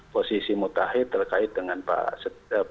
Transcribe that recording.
posisi mutahid terkait dengan pak set